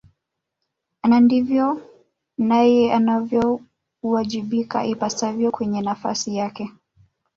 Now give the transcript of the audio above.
na ndivyo naye anavyowajibika ipasavyo kwenye nafasi yake